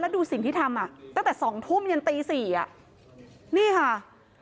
แล้วดูสิ่งที่ทำตั้งแต่๒ทุ่มยันตี๔นี่ค่ะ